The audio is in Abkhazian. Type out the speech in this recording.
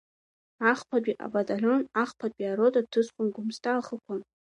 Ахԥатәи абаталион ахԥатәи арота ҭысхуан Гәымсҭа ахықәан.